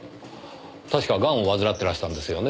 確かガンを患ってらしたんですよね？